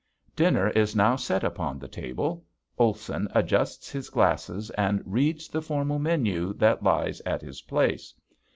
Dinner is now set upon the table. Olson adjusts his glasses and reads the formal menu that lies at his place.